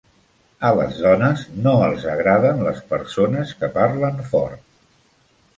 A les dones no els agraden les persones que parlen fort.